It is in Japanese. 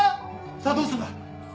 さあどうすんだ？